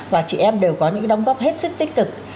và chị em đều có những đóng góp hết sức tích cực